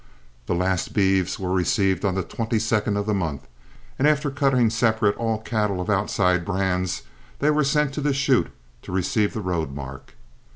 The last beeves were received on the 22d of the month, and after cutting separate all cattle of outside brands, they were sent to the chute to receive the road mark.